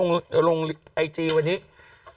กล้องกว้างอย่างเดียว